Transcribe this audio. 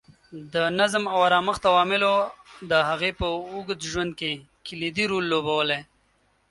د نظم او ارامښت عواملو د هغې په اوږد ژوند کې کلیدي رول لوبولی.